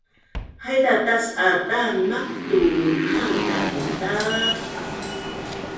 Haiza tas’a daan maqtu munhaan kaku’ ta